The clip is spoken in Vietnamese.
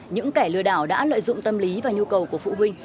những kẻ lừa đảo đã lợi dụng tâm lý và nhu cầu của phụ huynh